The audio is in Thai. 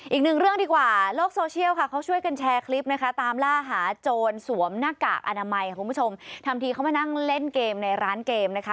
อีกหนึ่งเรื่องดีกว่าโลกโซเชียลค่ะเขาช่วยกันแชร์คลิปนะคะตามล่าหาโจรสวมหน้ากากอนามัยคุณผู้ชมทำทีเข้ามานั่งเล่นเกมในร้านเกมนะคะ